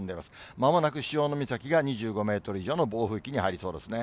まもなく潮岬が２５メートル以上の暴風域に入りそうですね。